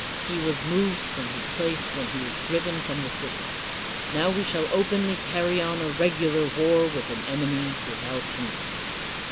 He was moved from his place when he was driven from the city. Now we shall openly carry on a regular war with an enemy without hindrance.